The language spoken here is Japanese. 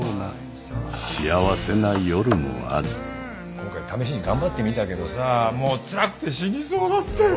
今回試しに頑張ってみたけどさもうつらくて死にそうだったよ。